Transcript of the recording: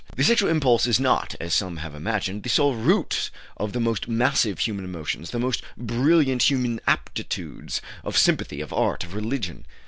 The sexual impulse is not, as some have imagined, the sole root of the most massive human emotions, the most brilliant human aptitudes, of sympathy, of art, of religion.